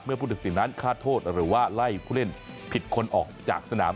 เมื่อพูดถึงสิ่งนั้นคาดโทษหรือว่าไล่ผู้เล่นผิดคนออกจากสนาม